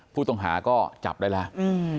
ผู้ต้องหาก็จับได้แล้ว